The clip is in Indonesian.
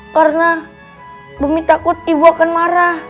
karena bumi takut ibu akan marah